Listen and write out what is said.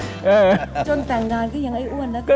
จนแต่งดาลก็ยังไอ้อ้วนนะครับ